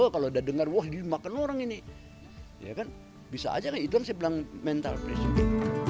kalau udah dengar wah dimakan orang ini ya kan bisa aja kan itu yang saya bilang mental pressure